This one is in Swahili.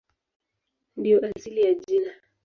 Ndiyo asili ya jina.